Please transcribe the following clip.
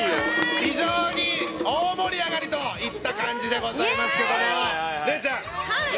非常に大盛り上がりといった感じでございますがれいちゃん。